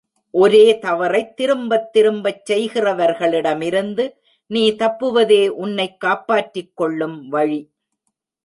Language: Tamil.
ஒரே தவறைத் திரும்பத் திரும்பச் செய்கிறவர்களிடமிருந்து நீ தப்புவதே உன்னைச் காப்பாற்றிக் கொள்ளும் வழி.